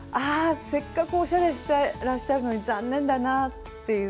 せっかくおしゃれしてらっしゃるのに残念だなっていうね。